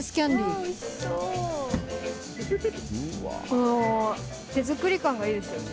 この手作り感がいいですよね。